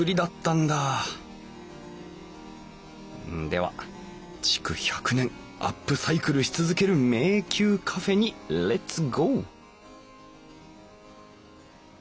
では「築１００年アップサイクルし続ける迷宮カフェ」にレッツゴー！